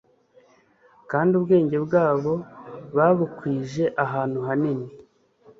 kandi ubwenge bwabo babukwije ahantu hanini,